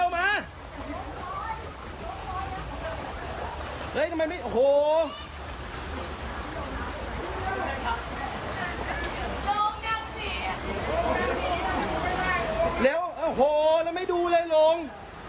โหแล้วไม่ดูเลยลง